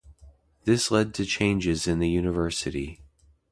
This led to changes in the university.